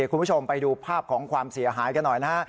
คุณผู้ชมไปดูภาพของความเสียหายกันหน่อยนะฮะ